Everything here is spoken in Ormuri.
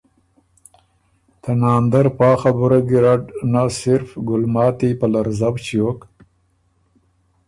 ته ناندر پا خبُره ګیرډ نه صرف ګلماتی په لرزؤ ݭیوک